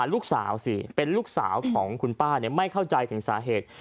ลูกสาวสิเป็นลูกสาวของคุณป้าไม่เข้าใจถึงสาเหตุ